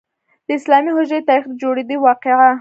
د اسلامي هجري تاریخ د جوړیدو واقعه.